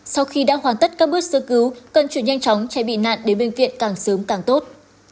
sau khi đã hoàn tất các bước sơ cứu cần chuyển nhanh chóng chạy bị nạn đến bệnh viện càng sớm càng tốt